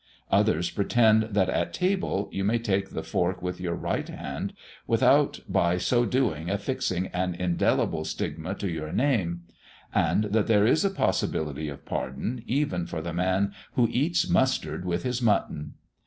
Others pretend that at table you may take the fork with your right hand, without by so doing affixing an indelible stigma to your name; and that there is a possibility of pardon, even for the man who eats mustard with his mutton.